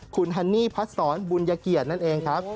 คุณฮันนี่พัดศรบุญยเกียรตินั่นเองครับ